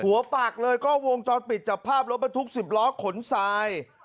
หัวปักเลยก็วงจอดปิดจับภาพรถมาทุก๑๐ล้อขนสาย